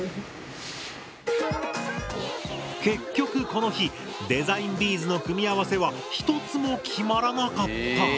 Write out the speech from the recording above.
結局この日デザインビーズの組み合わせは一つも決まらなかった。